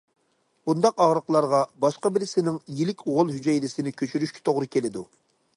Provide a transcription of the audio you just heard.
بۇنداق ئاغرىقلارغا باشقا بىرسىنىڭ يىلىك غول ھۈجەيرىسىنى كۆچۈرۈشكە توغرا كېلىدۇ.